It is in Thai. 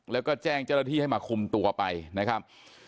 และก็แจ้งเจ้าลธีศ์ให้มาคุมตัวไปน่าครับ